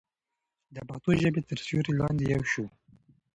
د پښتو ژبې تر سیوري لاندې یو شو.